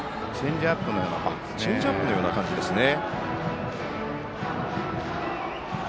チェンジアップのような感じですね。